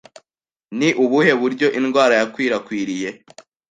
Ni ubuhe buryo indwara yakwirakwiriye?